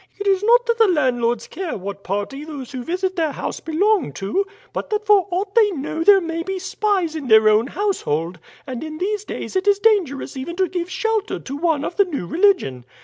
"It is not that the landlords care what party those who visit their house belong to, but that for aught they know there may be spies in their own household; and in these days it is dangerous even to give shelter to one of the new religion.